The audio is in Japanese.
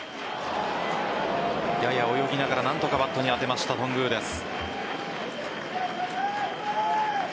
やや泳ぎながら何とかバットに当てました頓宮です。